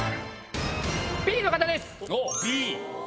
Ｂの方です。